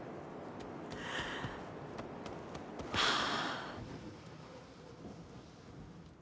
はあ。